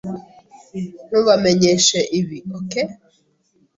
Ntubamenyeshe ibi, OK?